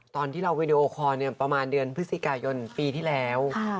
ตอนที่เราวีดีโอคอร์ประมาณเดือนพฤศจิกายนปีที่แล้ว